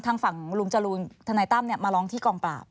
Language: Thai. ทางฝั่งลุงจรูนทนายตั้มมาร้องที่กองปราบ